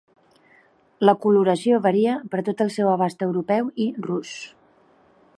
La coloració varia per tot el seu abast europeu i rus.